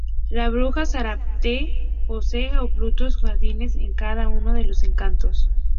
La bruja Zárate posee opulentos jardines en cada uno de sus encantos.